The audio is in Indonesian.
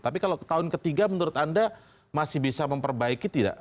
tapi kalau tahun ketiga menurut anda masih bisa memperbaiki tidak